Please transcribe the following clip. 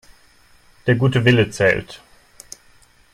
Der gute Wille zählt.